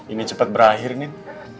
ini cepet berakhir nin